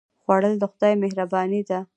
خوړل د خدای مهرباني ده